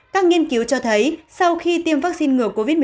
các nghiên cứu cho thấy sau khi tiêm vaccine ngừa covid một mươi chín